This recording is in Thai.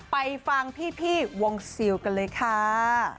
ไปฟังพี่วงซิลกันเลยค่ะ